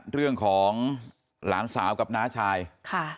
เรื่องของหลานสาวกับน้าชายค่ะ